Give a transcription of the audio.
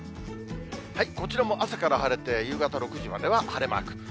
こちらも朝から晴れて、夕方６時までは晴れマーク。